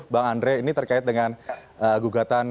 bang andre ini terkait dengan gugatan